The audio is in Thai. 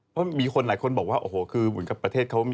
เพราะมีคนหลายคนบอกว่าโอ้โหคือเหมือนกับประเทศเขา